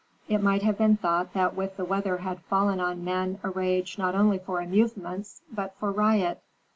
It might have been thought that with the weather had fallen on men a rage not only for amusements but for riot.